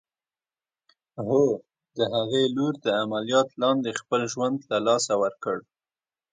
هو! د هغې لور د عمليات لاندې خپل ژوند له لاسه ورکړ.